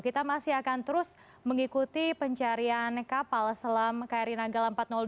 kita masih akan terus mengikuti pencarian kapal selam kri nanggala empat ratus dua